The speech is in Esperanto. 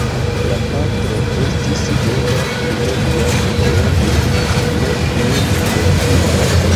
La patro estis bona, li neniam koleris, nek min, nek vin.